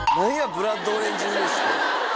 ブラッドオレンジ梅酒って。